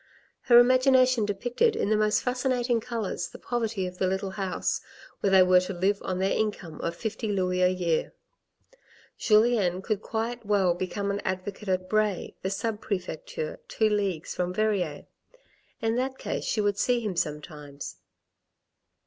Her imagination depicted in the most fascinating colours the poverty of the little house, where they were to live on their income of fifty louis a year. J ulien could quite well become an advocate at Bray, the sub prefecture, two leagues from Verrieres. In that case she would see him sometimes.